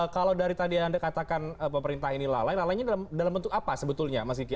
kalau dari tadi yang anda katakan pemerintah ini lalai lalainya dalam bentuk apa sebetulnya mas kiki